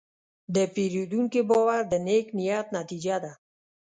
د پیرودونکي باور د نیک نیت نتیجه ده.